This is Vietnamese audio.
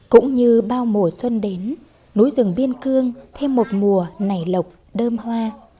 cũng như bao mùa xuân đến núi rừng biên cương thêm một mùa nảy lọc đơm hoa